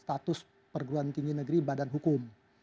status perguruan tinggi negeri badan hukum